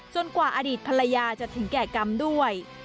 กว่าอดีตภรรยาจะถึงแก่กรรมด้วย